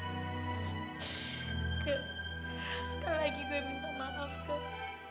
kak sekali lagi gue minta maaf kak